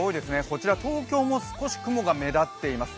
こちら東京も少し雲が目立っています。